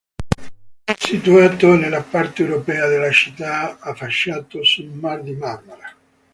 È situato nella parte europea della città, affacciato sul mar di Marmara.